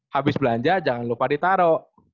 habis belanja jangan lupa ditaruh